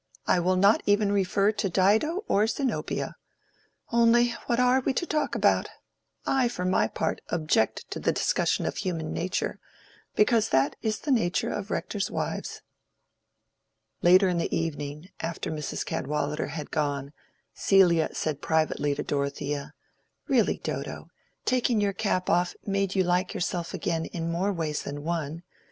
I will not even refer to Dido or Zenobia. Only what are we to talk about? I, for my part, object to the discussion of Human Nature, because that is the nature of rectors' wives." Later in the evening, after Mrs. Cadwallader was gone, Celia said privately to Dorothea, "Really, Dodo, taking your cap off made you like yourself again in more ways than one.